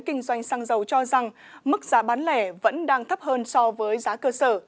kinh doanh xăng dầu cho rằng mức giá bán lẻ vẫn đang thấp hơn so với giá cơ sở